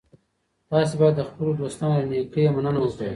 تاسي باید د خپلو دوستانو له نېکۍ مننه وکړئ.